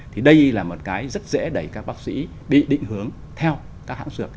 thì đây là một cái rất dễ để các bác sĩ bị định hướng theo các hãng dược